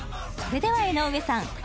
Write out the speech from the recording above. それでは江上さん